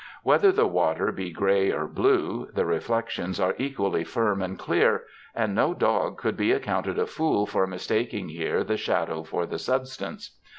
Whether the water be grey or blue, the reflections are equally firm and clear, and no dog could be accounted a fool for mistaking here the shadow for the substance.